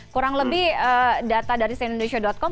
kurang lebih data dari sindonesia com